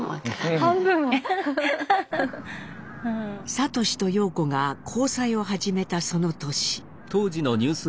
智と様子が交際を始めたその年。